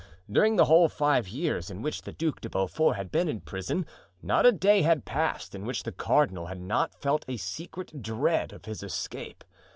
During the whole five years in which the Duc de Beaufort had been in prison not a day had passed in which the cardinal had not felt a secret dread of his escape.